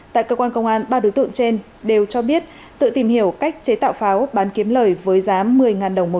tại cơ quan công an ba đối tượng trên đều cho biết tự tìm hiểu cách chế tạo pháo bán kiếm lời